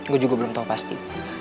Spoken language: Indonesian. gue juga belum tahu pasti